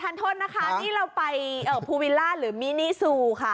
โทษนะคะนี่เราไปภูวิลล่าหรือมินิซูค่ะ